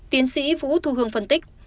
tiến sĩ vũ thu hương phân tích